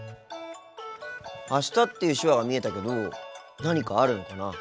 「あした」っていう手話が見えたけど何かあるのかな？